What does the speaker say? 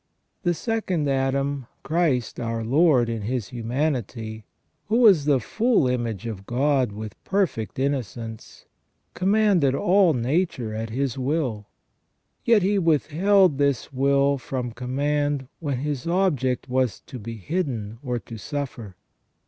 The second Adam, Christ our Lord in His humanity, who was the full image of God with perfect innocence, commanded all nature at His will ; yet he withheld this will from command when His object was to be hidden or to suffer.